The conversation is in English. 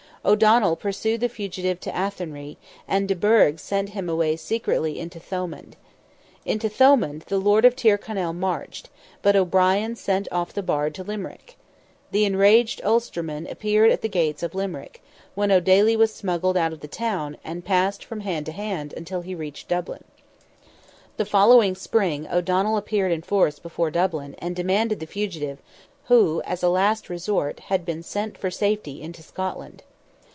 O'Donnell pursued the fugitive to Athenry, and de Burgh sent him away secretly into Thomond. Into Thomond, the Lord of Tyrconnell marched, but O'Brien sent off the Bard to Limerick. The enraged Ulsterman appeared at the gates of Limerick, when O'Daly was smuggled out of the town, and "passed from hand to hand," until he reached Dublin. The following spring O'Donnell appeared in force before Dublin, and demanded the fugitive, who, as a last resort, had been sent for safety into Scotland.